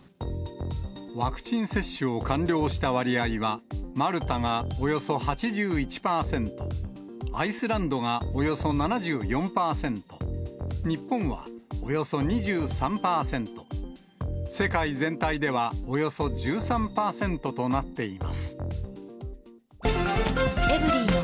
ワクチン接種を完了した割合は、マルタがおよそ８１％、アイスランドがおよそ７４％、日本はおよそ２３％、世界全体ではおよそ１３％となっています。